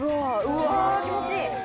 うわ気持ちいい！